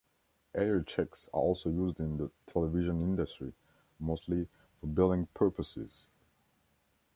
Airchecks are also used in the television industry, mostly for billing purposes.